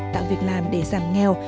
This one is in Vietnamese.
tạo việc làm để giảm nghèo